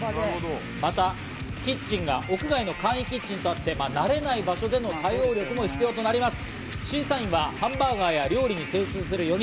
また、キッチンが屋外の簡易キッチンとあって慣れない場所での対応力も必要となります。